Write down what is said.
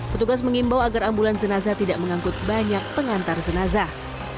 petugas mengimbau agar ambulans jenazah tidak mengangkut banyak pengantar jenazah